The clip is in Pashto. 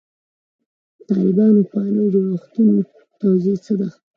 د طالب پالو جوړښتونو توضیح څه ده.